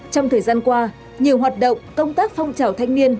trong thời gian qua nhiều hoạt động công tác phong trào thanh niên